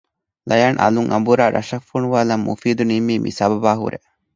ލަޔާން އަލުން އަނބުރާ ރަށަށް ފޮނުވާލަން މުފީދު ނިންމީ މި ސަބަބާހުރޭ